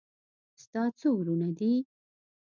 ستا څو ورونه دي